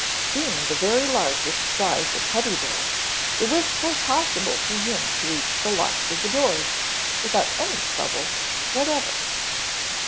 Being the very largest size of Teddy bear, it was quite possible for him to reach the locks of the doors without any trouble whatever.